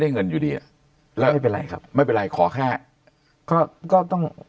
เงินอยู่ดีอ่ะแล้วไม่เป็นไรครับไม่เป็นไรขอแค่ก็ก็ต้อง